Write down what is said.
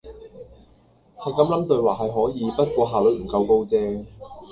就咁諗對話係可以，不過效率唔夠高啫